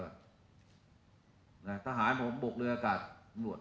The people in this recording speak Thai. สหายผมบกเลยหลานรอท